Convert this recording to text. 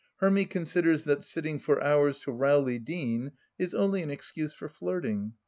Hermy considers that sitting for hours to Rowley Deane is only an excuse for flirting.